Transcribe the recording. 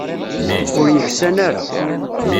Ur yeksan ara.